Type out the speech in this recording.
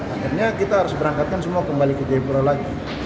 akhirnya kita harus berangkatkan semua kembali ke jayapura lagi